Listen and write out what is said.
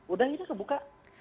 udah ini kebuka